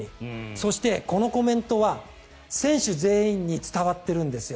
そして、このコメントは選手全員に伝わっているんです。